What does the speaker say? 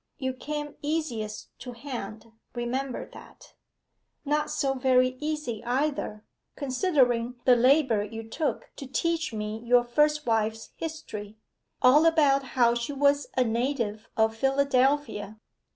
'You came easiest to hand remember that.' 'Not so very easy either, considering the labour you took to teach me your first wife's history. All about how she was a native of Philadelphia.